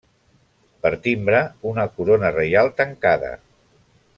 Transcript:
Per timbre, una corona reial tancada.